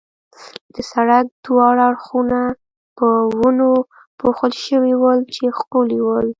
د سړک دواړه اړخونه په ونو پوښل شوي ول، چې ښکلي ول.